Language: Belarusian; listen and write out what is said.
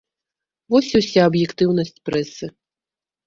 Вось і ўся аб'ектыўнасць прэсы.